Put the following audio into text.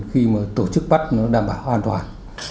khi mà tổ chức bắt nó đảm bảo an toàn